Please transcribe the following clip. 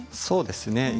そうですね。